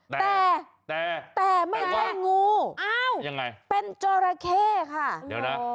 แต่แต่แต่มันไม่ใช่งูเป็นจอระเข้ค่ะ